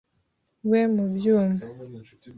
we mu byuma. ”